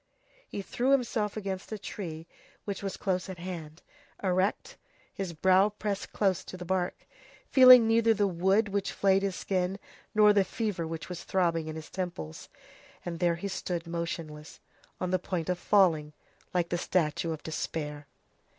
He threw himself against a tree which was close at hand, erect, his brow pressed close to the bark, feeling neither the wood which flayed his skin, nor the fever which was throbbing in his temples, and there he stood motionless, on the point of falling, like the statue of despair.